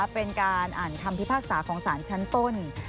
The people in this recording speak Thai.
เป็นการอ่านคำพิพากษาของสารชั้นต้น